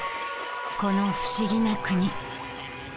この不思議な国。